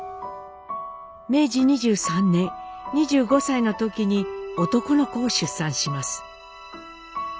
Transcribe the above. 明治２３年２５歳の時に男の子を出産します。